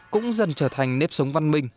cũng dần trở thành nếp sống văn minh